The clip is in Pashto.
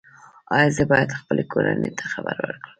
ایا زه باید خپلې کورنۍ ته خبر ورکړم؟